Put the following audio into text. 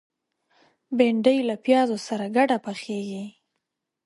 بېنډۍ له پیازو سره ګډه پخېږي